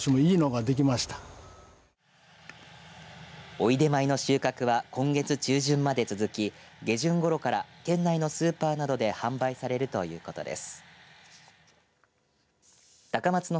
おいでまいの収穫は今月中旬まで続き下旬ごろから県内のスーパーなどで販売されるということです。